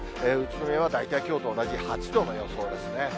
宇都宮は大体きょうと同じ、８度の予想ですね。